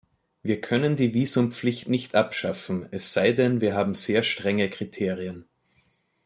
Wir können die Visumpflicht nicht abschaffen, es sei denn, wir haben sehr strenge Kriterien.